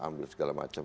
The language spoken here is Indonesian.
ambil segala macam